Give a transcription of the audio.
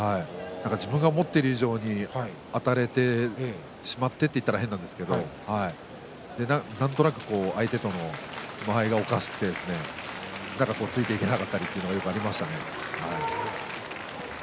自分が思っている以上にあたれてしまうというのはおかしいんですけど何となく相手との間合いがおかしくなってついていけなくなってしまったりということがありましたね。